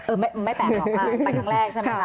ไม่แปลกหรอกค่ะไปครั้งแรกใช่ไหมคะ